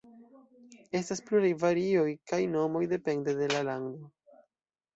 Estas pluraj varioj kaj nomoj, depende de la lando.